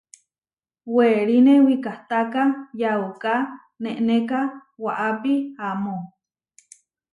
Weriné wikahtáka yauká nenéka waʼápi amó.